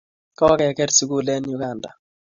Kokeker sukul en Uganda